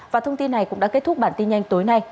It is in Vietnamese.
và thông tin này cũng đã kết thúc bản tin nhanh tối nay